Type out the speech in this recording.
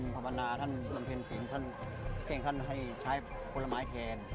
ธรรมนาท่านบรรพินศิลป์ท่านเก่งท่านให้ใช้พลไม้แทน